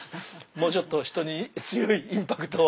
もうちょっと強いインパクトを。